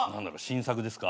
新作ですか？